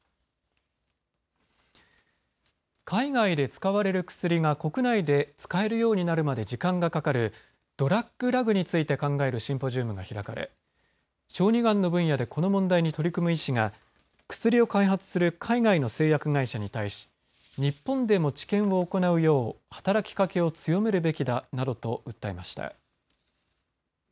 海外で使われる薬が国内で使えるようになるまで時間がかかるドラッグラグについて考えるシンポジウムが開かれ小児がんの分野でこの問題に取り組む医師が薬を開発する海外の製薬会社に対し日本でも治験を行うよう働きかけを強めるべきだなどと訴えました。